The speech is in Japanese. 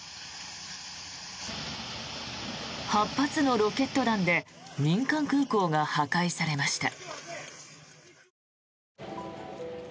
８発のロケット弾で民間空港が破壊されました。